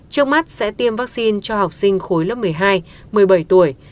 trước mắt sẽ tiêm vaccine cho học sinh khối lớp một mươi hai một mươi bảy tuổi